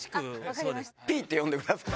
Ｐって呼んでください。